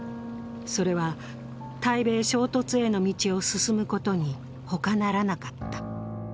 それは対米衝突への道を進むことにほかならなかった。